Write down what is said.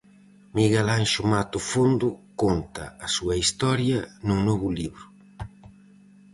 Miguel Anxo Mato Fondo conta a súa historia nun novo libro.